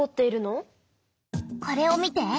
これを見て。